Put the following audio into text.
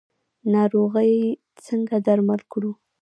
ناروغي څنګه درمل کړو؟